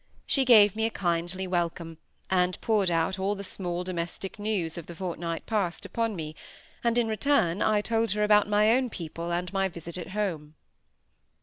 She gave me a kindly welcome, and poured out all the small domestic news of the fortnight past upon me, and, in return, I told her about my own people and my visit at home.